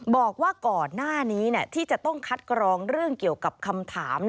บอกว่าก่อนหน้านี้ที่จะต้องคัดกรองเรื่องเกี่ยวกับคำถาม